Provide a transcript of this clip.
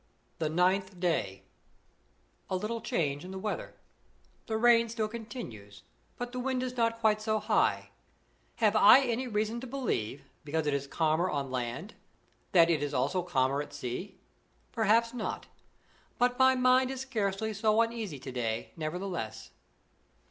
THE NINTH DAY. A LITTLE change in the weather. The rain still continues, but the wind is not quite so high. Have I any reason to believe, because it is calmer on land, that it is also calmer at sea? Perhaps not. But my mind is scarcely so uneasy to day, nevertheless.